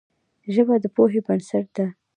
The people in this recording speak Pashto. ژبه د پوهې بنسټ ده